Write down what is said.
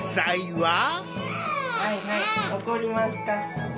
はいはい怒りますか。